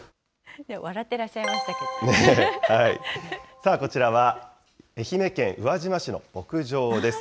さあ、こちらは愛媛県宇和島市の牧場です。